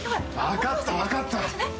分かった分かった！